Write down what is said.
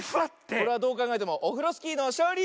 これはどうかんがえてもオフロスキーのしょうり！